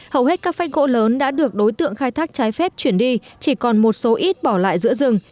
hầu hết các phách gỗ lớn đã được đối tượng khai thác trái phép chuyển đi chỉ còn một số ít bỏ lại giữa rừng